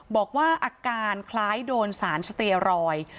บอกว่าอาการคล้ายโดนสารสเตียรอย